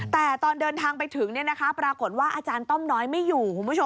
แต่ตอนเดินทางไปถึงปรากฏว่าอาจารย์ต้อมน้อยไม่อยู่คุณผู้ชม